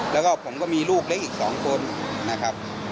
แล้วก็ผมก็มีลูกเล็กอีก๒คนนะครับ